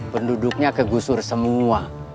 penduduknya kegusur semua